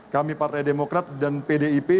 kami partai demokrat dan pdip